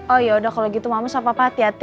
oh ya udah kalo gitu mama sama papa hati hati